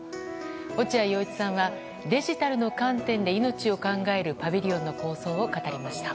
落合陽一さんはデジタルの観点で命を考えるパビリオンの構想を語りました。